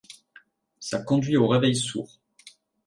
Ça conduit au Reveil Sourd.